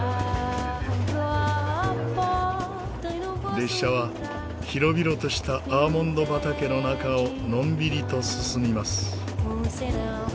列車は広々としたアーモンド畑の中をのんびりと進みます。